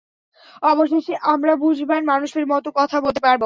অবশেষে, আমরা বুঝবান মানুষের মতো কথা বলতে পারবো!